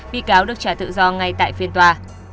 bị cáo được trả tự do ngay tại phiên tòa